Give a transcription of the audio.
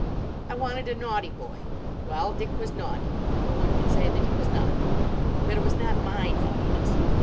I wanted a naughty boy. Well, Dick was naughty, no one can say that he was not. But it was not my naughtiness.